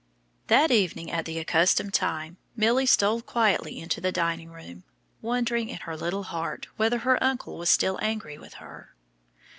That evening, at the accustomed time, Milly stole quietly into the dining room, wondering in her little heart whether her uncle was still angry with her.